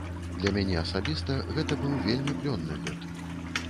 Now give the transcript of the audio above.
Для мяне асабіста гэта быў вельмі плённы год.